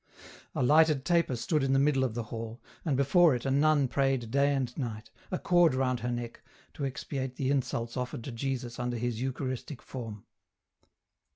A lighted taper stood in the middle of the hall, and before it a nun prayed day and night, a cord round her neck, to expiate the insults offered to Jesus under His Eucharistic form.